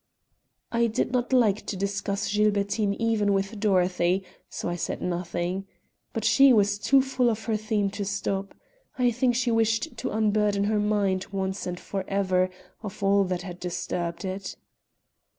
I did not like to discuss Gilbertine even with Dorothy, so I said nothing. But she was too full of her theme to stop. I think she wished to unburden her mind once and for ever of all that had disturbed it.